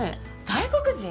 外国人？